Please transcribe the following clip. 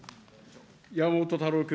山本太郎君。